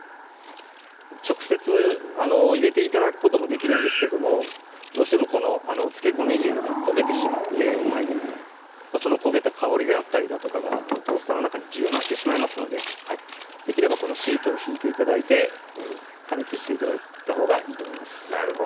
直接入れて頂くこともできるんですけどもどうしてもこのつけ込み汁が焦げてしまってその焦げた香りであったりだとかがトースターの中に充満してしまいますのでできればこのシートをひいて頂いて加熱して頂いたほうがいいと思います